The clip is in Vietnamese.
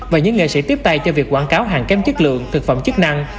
và những nghệ sĩ tiếp tay cho việc quảng cáo hàng kém chất lượng thực phẩm chức năng